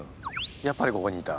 やっぱりここにいた。